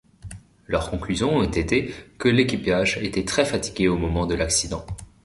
Leurs conclusions ont été que l'équipage était très fatigué au moment de l'accident.